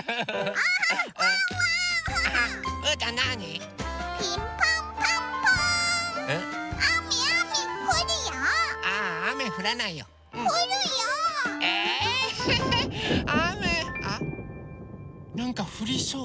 あっなんかふりそう。